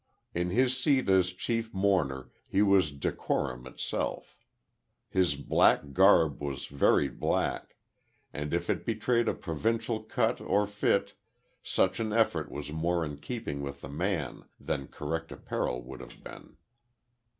In his seat as chief mourner, he was decorum itself. His black garb was very black, and if it betrayed a provincial cut or fit, such an effect was more in keeping with the man than correct apparel would have been.